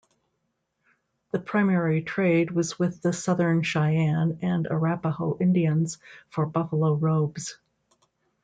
The primary trade was with the Southern Cheyenne and Arapaho Indians for buffalo robes.